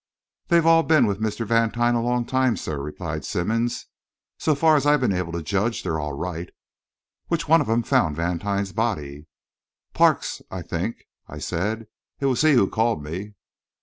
"They've all been with Mr. Vantine a long time, sir," replied Simmonds. "So far as I've been able to judge, they're all right." "Which one of 'em found Vantine's body?" "Parks, I think," I said. "It was he who called me."